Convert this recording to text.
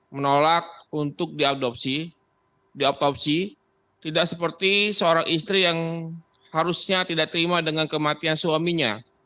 menolak untuk diautopsi tidak seperti seorang istri yang harusnya tidak terima dengan kematian suaminya